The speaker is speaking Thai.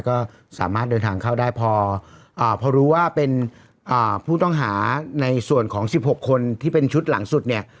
ก็สามารถเดินทางเข้าได้พอรู้ว่าเป็นผู้ต้องหาในส่วนของ๑๖คนที่เป็นชุดหลังสุดเนี่ย